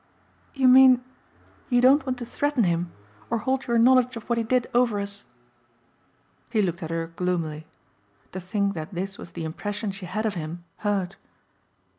"You mean you don't want to threaten him or hold your knowledge of what he did over us?" He looked at her gloomily. To think that this was the impression she had of him hurt.